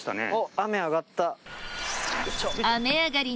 雨上がった。